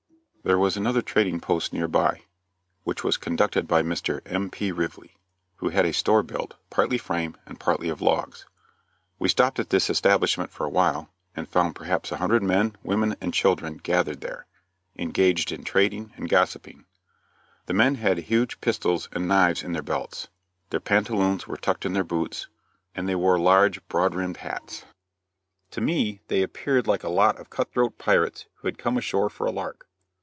There was another trading post near by, which was conducted by Mr. M.P. Rively, who had a store built, partly frame, and partly of logs. We stopped at this establishment for a while, and found perhaps a hundred men, women and children gathered there, engaged in trading and gossipping. The men had huge pistols and knives in their belts; their pantaloons were tucked in their boots; and they wore large broad rimmed hats. To me they appeared like a lot of cut throat pirates who had come ashore for a lark.